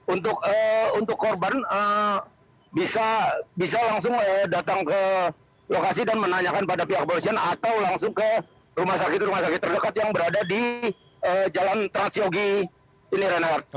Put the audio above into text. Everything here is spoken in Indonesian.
untuk korban bisa langsung datang ke lokasi dan menanyakan pada pihak polisian atau langsung ke rumah sakit rumah sakit terdekat yang berada di jalan transyogi ini renard